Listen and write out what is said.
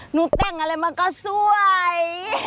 หนูแต่งอะไรมาก็สวย